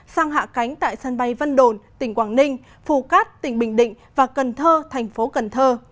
sang hạ cánh tại sân bay vân đồn tỉnh quảng ninh phù cát tỉnh bình định và cần thơ thành phố cần thơ